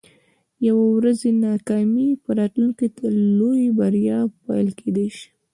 د یوې ورځې ناکامي په راتلونکي کې د لویې بریا پیل کیدی شي.